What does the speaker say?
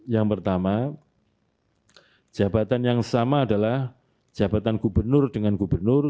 yang pertama jabatan yang sama adalah jabatan gubernur dengan gubernur